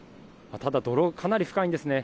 ただ泥がかなり深いんですね。